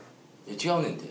違うねんって。